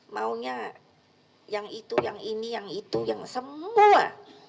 maunya yang itu yang ini yang itu yang semua